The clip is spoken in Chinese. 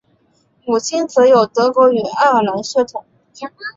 母亲则有德国与爱尔兰血统